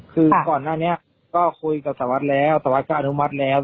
คือก่อนหน้านี้ก็คุยกับศวัสดิ์แล้วศวัสดิ์ก็อนุมัติแล้ว